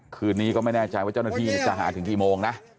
คืนนี้ก็ไม่แน่ใจว่าเจ้าหน้าที่จะหาถึงกี่โมงนะ